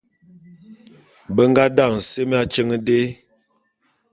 Be nga daňe semé atyeň dé.